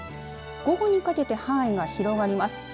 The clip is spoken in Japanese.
午後にかけて範囲が広がります。